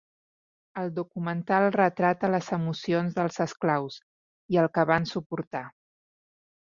El documental retrata les emocions dels esclaus i el que van suportar.